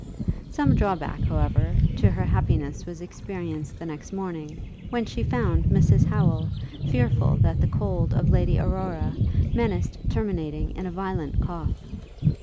Some drawback, however, to her happiness was experienced the next morning, when she found Mrs Howel fearful that the cold of Lady Aurora menaced terminating in a violent cough.